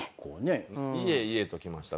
家家ときました。